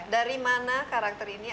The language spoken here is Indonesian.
dari mana karakter ini